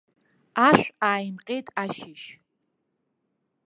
Ашә ааимҟьеит ашьыжь.